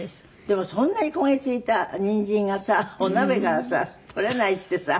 でもそんなに焦げついたニンジンがさお鍋からさ取れないってさ。